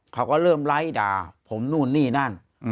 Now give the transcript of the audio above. เขาก็เริ่มไลค์ด่าผมนู่นนี่นั่น